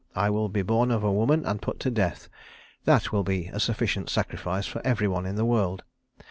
I will be born of a woman, and put to death. That will be a sufficient sacrifice for every one in the world.'